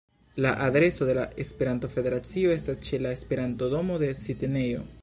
La adreso de la Esperanto-Federacio estas ĉe la Esperanto-domo de Sidnejo.